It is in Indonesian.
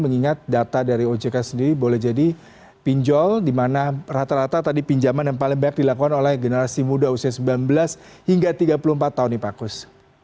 mengingat data dari ojk sendiri boleh jadi pinjol di mana rata rata tadi pinjaman yang paling banyak dilakukan oleh generasi muda usia sembilan belas hingga tiga puluh empat tahun nih pak kus